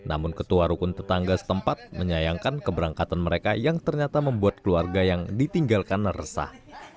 namun ketua rukun tetangga setempat menyayangkan keberangkatan mereka yang ternyata membuat keluarga yang ditinggalkan resah